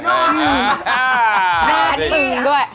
แมนอึ่งด้วย